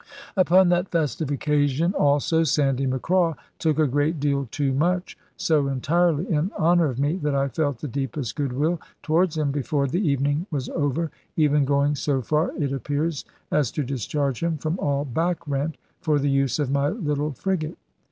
Upon that festive occasion, also, Sandy Macraw took a great deal too much, so entirely in honour of me that I felt the deepest goodwill towards him before the evening was over, even going so far, it appears, as to discharge him from all backrent for the use of my little frigate.